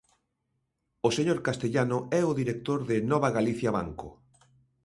O señor Castellano é o director de novagaliciabanco.